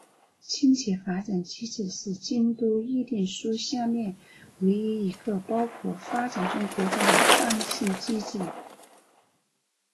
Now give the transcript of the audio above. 清洁发展机制是京都议定书下面唯一一个包括发展中国家的弹性机制。